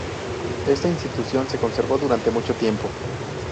Esta institución se conservó durante mucho tiempo.